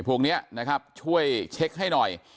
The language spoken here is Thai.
พวกนี้นะครับช่วยเช็คให้หน่อย